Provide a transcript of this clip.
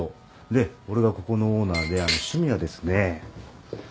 で俺がここのオーナーで趣味はですね。